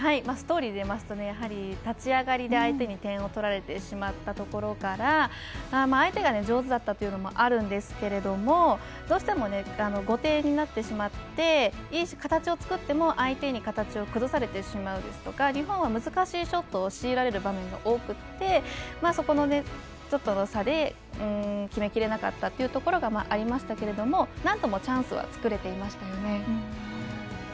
ストーリーでいいますとやはり立ち上がりで相手に点を取られてしまったところから相手が上手だったというのもあるんですけどもどうしても後手になってしまっていい形を作っても相手に形を崩されてしまうですとか日本は難しいショットを強いられる場面が多くて、そこのちょっとの差で決めきれなかったというところがありましたけれども、何度もチャンスは作れていましたよね。